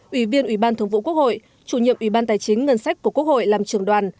ủy viên ủy ban thường vụ quốc hội chủ nhiệm ủy ban tài chính ngân sách của quốc hội làm trường đoàn